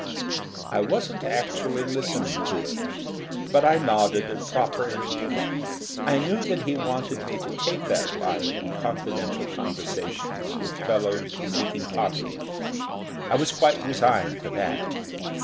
I wasn't actually listening to him, but I nodded at proper intervals. I knew that he wanted me to take that line in confidential conversations with fellows seeking copy. I was quite resigned to that.